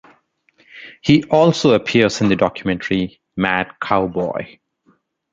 He also appears in the documentary Mad Cowboy.